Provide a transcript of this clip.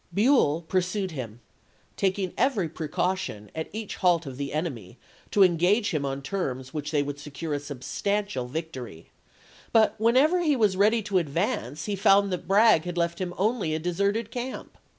Buell pursued him, taking every precau tion at each halt of the enemy, to engage him on ^^^^li terms which would secure a substantial victory; but 13^°^ w whenever he was ready to advance he found that ^pa^ T.^ Bragg had left him only a deserted camp.